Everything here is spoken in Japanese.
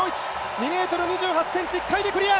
２ｍ２８ｃｍ、１回でクリア！